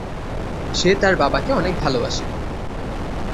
সে তার বাবাকে অনেক ভালবাসে।